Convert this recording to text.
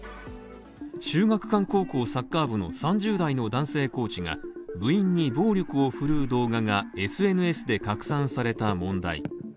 秀岳館高校サッカー部の３０代の男性コーチが部員に暴力を振るう動画がＳＮＳで拡散された問題。